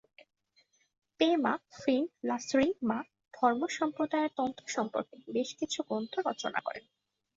পে-মা-'ফ্রিন-লাস র্ন্যিং-মা ধর্মসম্প্রদায়ের তন্ত্র সম্বন্ধে বেশ কিছু গ্রন্থ রচনা করেন।